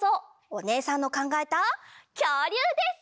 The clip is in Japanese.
おねえさんのかんがえたきょうりゅうです！